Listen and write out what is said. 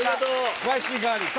スパイシーガーリック。